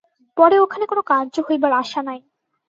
পরে ওখানে কোন কার্য হইবার আশা নাই।